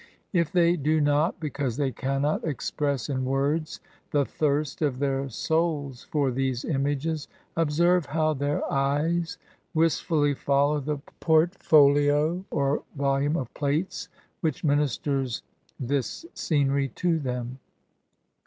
If they do not (because they cannot) express in words the thirst of their souls for these images, observe how their eyes wistfully follow the port folio or Tolume of plates which ministers this scenery to them.